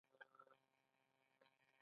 هغه حجرې چې آخذې نه لري غبرګون نه ښکاره کوي.